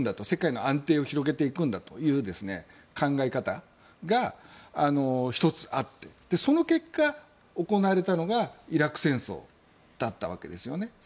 世界の安定を広げていくんだという考え方が１つあってその結果、行われたのがイラク戦争だったわけですよね。